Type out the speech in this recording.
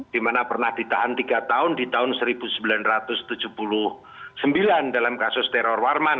dimana pernah ditahan tiga tahun di tahun seribu sembilan ratus tujuh puluh sembilan dalam kasus teror warman